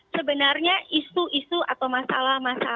sebenarnya isu isu atau masalah masalah